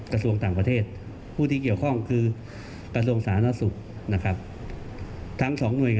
จากทางฝ่ายสหรัฐขอให้คำจริงจัน